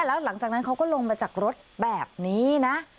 แล้วหลังจากนั้นเขาก็ลงมาจากรถแบบนี้นะ